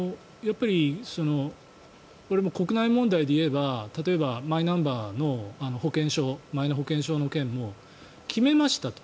これも国内問題で言えば例えばマイナンバーの保険証マイナ保険証の件も決めましたと。